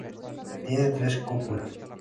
Tiene tres cúpulas.